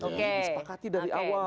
disepakati dari awal